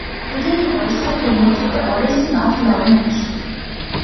It is also linked to the origin of love making.